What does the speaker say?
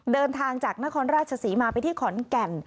เดินทางจากนครราชศรีมาไปที่ขอนแก่น